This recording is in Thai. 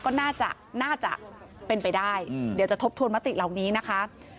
ก็น่าจะน่าจะเป็นไปได้เดี๋ยวจะทบทวนมติเหล่านี้นะคะ